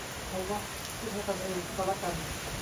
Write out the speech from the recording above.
เอาวะ คิดให้ท่านเองก็ละกัน